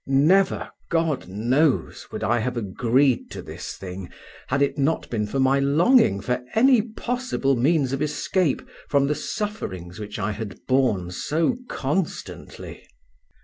Never, God knows, would I have agreed to this thing had it not been for my longing for any possible means of escape from the sufferings which I had borne so constantly.